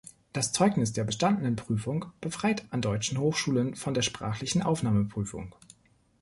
Das Zeugnis der bestandenen Prüfung befreit an deutschen Hochschulen von der sprachlichen Aufnahmeprüfung.